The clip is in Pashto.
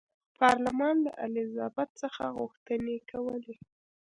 پارلمان له الیزابت څخه غوښتنې کولې.